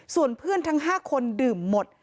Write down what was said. ส่วนเพื่อนทั้ง๕คนดื่มหมด